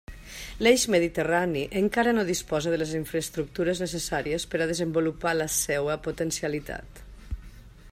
L'eix mediterrani encara no disposa de les infraestructures necessàries per a desenvolupar la seua potencialitat.